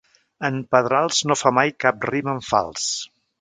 En Pedrals no fa mai cap rima en fals.